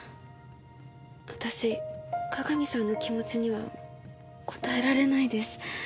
私加賀見さんの気持ちには応えられないです。